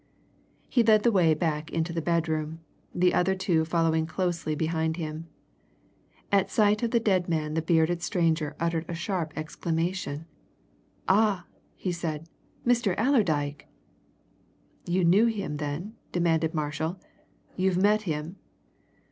He led the way back into the bedroom, the other two following closely behind him. At sight of the dead man the bearded stranger uttered a sharp exclamation. "Ah!" he said. "Mr. Allerdyke!" "You knew him, then?" demanded Marshall. "You've met him?"